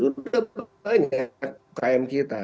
sudah banyak ukm kita